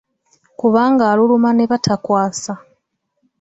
Kubanga aluluma ne batakwasa.